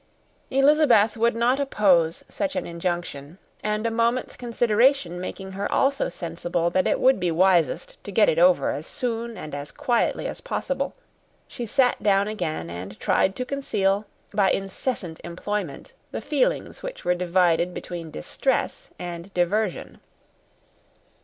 Elizabeth would not oppose such an injunction; and a moment's consideration making her also sensible that it would be wisest to get it over as soon and as quietly as possible, she sat down again, and tried to conceal, by incessant employment, the feelings which were divided between distress and diversion.